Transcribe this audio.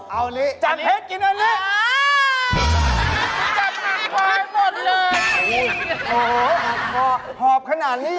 เอ้าบอกรูปนี้